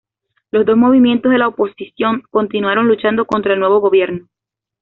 Los dos movimientos de la oposición continuaron luchando contra el nuevo gobierno.